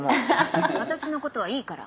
私の事はいいから。